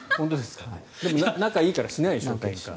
でも仲がいいからしないでしょ。